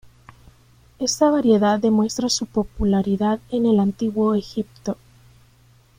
Esta variedad demuestra su popularidad en el Antiguo Egipto.